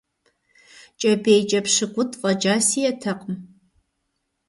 КӀэпӀейкӀэ пщыкӀутӀ фӀэкӀа сиӏэтэкъым.